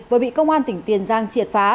vừa bị công an tỉnh tiền giang triệt phá